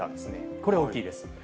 これ、大きいです。